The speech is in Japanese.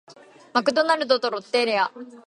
マクドナルドとロッテリア